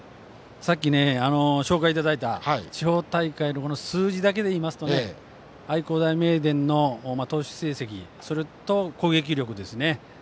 さっき紹介いただいた地方大会の数字だけで言いますと愛工大名電の投手成績それと攻撃力ですね。